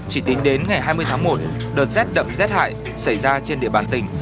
chỉ tính đến ngày hai mươi tháng một đợt rét đậm rét hại xảy ra trên địa bàn tỉnh